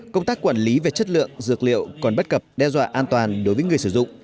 công tác quản lý về chất lượng dược liệu còn bất cập đe dọa an toàn đối với người sử dụng